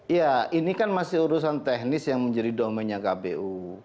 ya ini kan masih urusan teknis yang menjadi domennya kpu